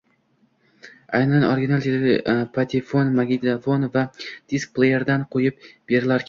aynan original patefon, magnitofon va disk pleyerdan qo‘yib berilarkan.